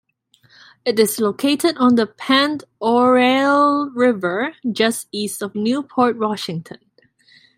It is located on the Pend Oreille River, just east of Newport, Washington.